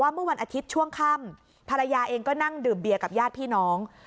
เมื่อวันอาทิตย์ช่วงค่ำภรรยาเองก็นั่งดื่มเบียร์กับญาติพี่น้อง